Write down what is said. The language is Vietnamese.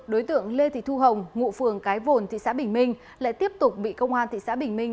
đối tượng lê thị thu hồng ngụ phường cái vồn thị xã bình minh lại tiếp tục bị công an thị xã bình minh